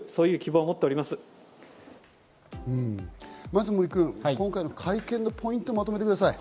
まず森君、今回の会見のポイントをまとめてください。